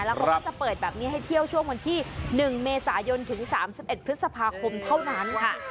แล้วเขาก็จะเปิดแบบนี้ให้เที่ยวช่วงวันที่๑เมษายนถึง๓๑พฤษภาคมเท่านั้นค่ะ